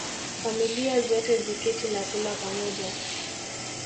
Familia zote ziketi na kula pamoja